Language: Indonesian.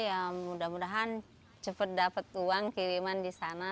ya mudah mudahan cepat dapat uang kiriman di sana